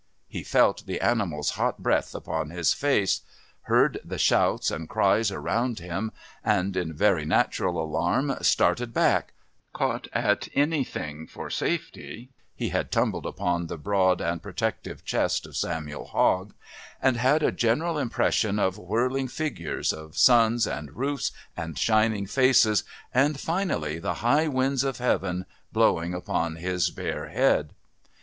He felt the animal's hot breath upon his face, heard the shouts and cries around him, and, in very natural alarm, started back, caught at anything for safety (he had tumbled upon the broad and protective chest of Samuel Hogg), and had a general impression of whirling figures, of suns and roofs and shining faces and, finally, the high winds of heaven blowing upon his bare head.